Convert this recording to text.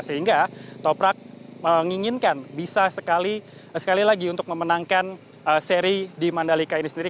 sehingga toprak menginginkan bisa sekali lagi untuk memenangkan seri di mandalika ini sendiri